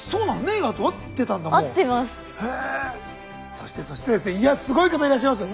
そしてそしてですねいやすごい方いらっしゃいますよ。